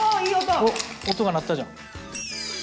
音が鳴ったじゃん。